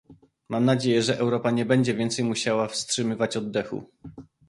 Mam nadzieję, że Europa nie będzie więcej musiała wstrzymywać oddechu